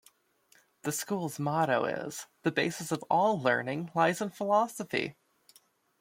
The school's motto is "The basis of all learning lies in philosophy".